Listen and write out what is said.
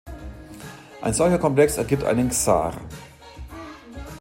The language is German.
Ein solcher Komplex ergibt einen Ksar.